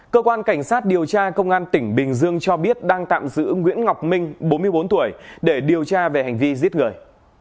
cơ quan cảnh sát điều tra công an tỉnh bình dương cho biết đang tạm giữ nguyễn ngọc minh bốn mươi bốn tuổi để điều tra về hành vi giết người